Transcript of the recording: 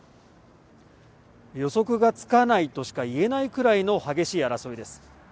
予測がつかないとしか言えないぐらいの激しい争いです。